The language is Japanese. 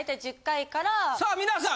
さあ皆さん